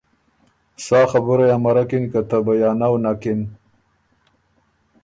سا خبُرئ امرکِن که ته بیانؤ نکِن۔